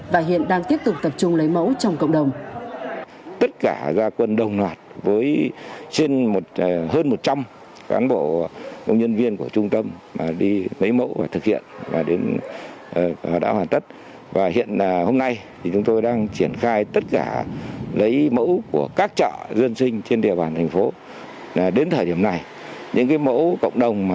và hiện đang tiếp tục tập trung lấy mẫu trong cộng đồng